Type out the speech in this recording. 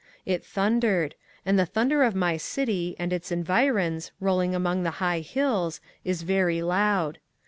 It thundered; and the thunder of my city and its environs, rolling among the high hills, is very loud.